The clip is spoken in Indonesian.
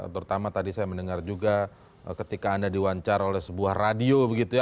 terutama tadi saya mendengar juga ketika anda diwancar oleh sebuah radio begitu ya